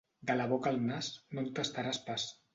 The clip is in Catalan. De la boca al nas, no en tastaràs pas.